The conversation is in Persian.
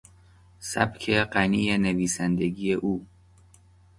سبک غنی نویسندگی او